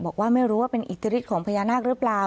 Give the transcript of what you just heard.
บอกว่าไม่รู้ว่าเป็นอิทธิฤทธิของพญานาคหรือเปล่า